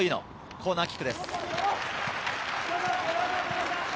コーナーキックです。